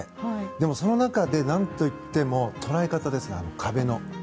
でも、その中で何といっても捉え方ですね壁の。